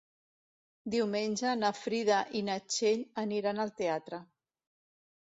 Diumenge na Frida i na Txell aniran al teatre.